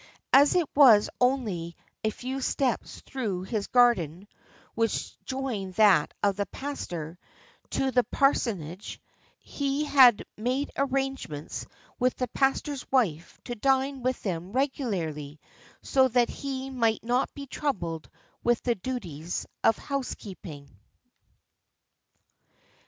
As it was only a few steps through his garden (which joined that of the pastor) to the parsonage, he had made arrangements with the pastor's wife to dine with them regularly, so that he might not be troubled with the duties of housekeeping.